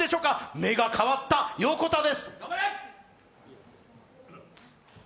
目が変わった、横田です。